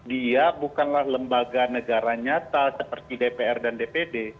dia bukanlah lembaga negara nyata seperti dpr dan dpd